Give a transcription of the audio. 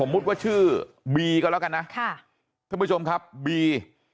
พูดว่าชื่อบีกันแล้วกันนะท่านผู้ชมครับบี